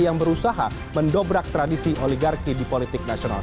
yang berusaha mendobrak tradisi oligarki di politik nasional